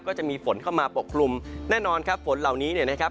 ก็จะมีฝนเข้ามาปกคลุมแน่นอนครับฝนเหล่านี้เนี่ยนะครับ